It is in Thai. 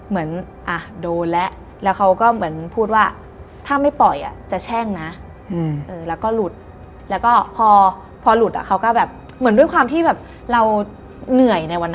เมื่อก่อนมันยิ่งขู่ส่างขู่สมอะไรเมื่อกี้